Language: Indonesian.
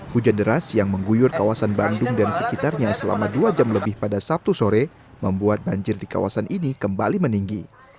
hujan deras yang mengguyur kawasan bandung dan sekitarnya selama dua jam lebih pada sabtu sore membuat banjir di kawasan ini kembali meninggi